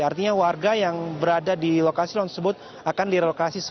artinya warga yang berada di lokasi longs tersebut akan direlokasi